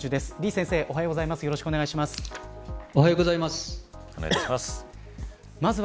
李先生、おはようございます。